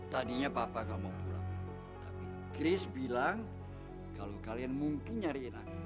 tadinya papa mau pulang tapi chris bilang kalau kalian mungkin nyariin aku